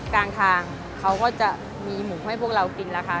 กลางทางเขาก็จะมีหมูให้พวกเรากินแล้วค่ะ